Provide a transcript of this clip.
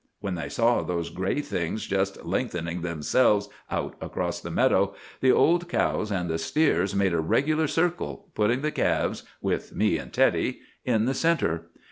When they saw those gray things just lengthening themselves out across the meadow, the old cows and the steers made a regular circle, putting the calves—with me and Teddy—in the centre.